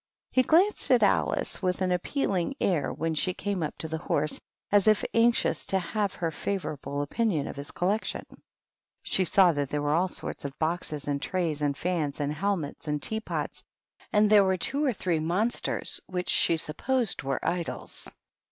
He glanced at Alice with an appealing air when she came up to the horse, as if anxious to have her favorable opinion of his collection. 106 THE WHITE KNIGHT. She saw that there were all sorts of boxes, and trays, and fans, and helmets, and tea pots, and there were two or three monsters which she supposed were idols.